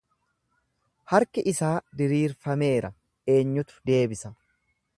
Harki isaa diriirfameera, eenyutu deebisa?